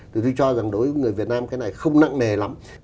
thì tôi cho rằng đối với người việt nam cái này không nặng nề lắm